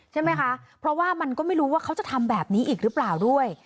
ใช่ไหมคะเพราะว่ามันก็ไม่รู้ว่าเขาจะทำแบบนี้อีกหรือเปล่าด้วย